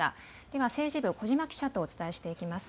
では政治部、小嶋記者とお伝えしていきます。